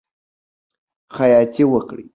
خیاطی وکړئ.